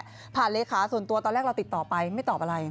ผ่านเลขาส่วนตัวตอนแรกเราติดต่อไปไม่ตอบอะไร